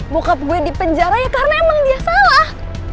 bokap gue dipenjara ya karena emang dia salah